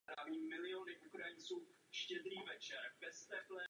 Po první světové válce již přestal hrát závodní šachy a věnoval se šachové kompozici.